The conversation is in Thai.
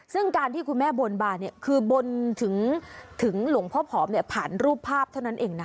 ซึ่งการที่คุณแม่บนบานเนี่ยคือบนถึงหลวงพ่อผอมเนี่ยผ่านรูปภาพเท่านั้นเองนะ